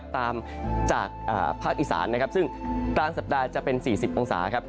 ตามจากภาคอีสานซึ่งกลางสัปดาห์จะเป็น๔๐องศา